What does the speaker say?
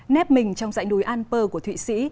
nép mình trong dạy núi alper của thụy sĩ